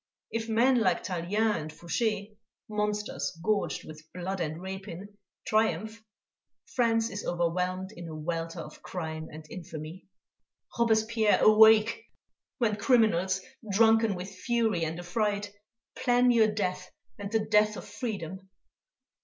If men like Tallien and Foucher, monsters gorged with blood and rapine, triumph, France is overwhelmed in a welter of crime and infamy ... Robespierre, awake; when criminals, drunken with fury and affright, plan your death and the death of freedom!